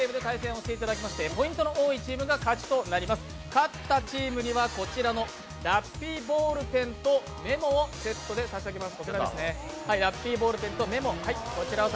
勝ったチームにはこちらのラッピーボールペンとメモをセットで差し上げます。